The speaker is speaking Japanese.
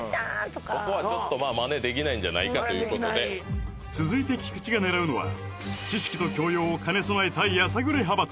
ここはちょっとマネできないんじゃないかということで続いて菊地が狙うのは知識と教養を兼ね備えたやさぐれ派閥